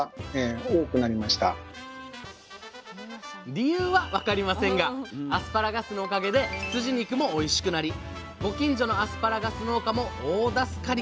理由は分かりませんがアスパラガスのおかげで羊肉もおいしくなりご近所のアスパラガス農家も大助かりとなったのです！